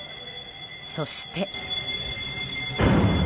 そして。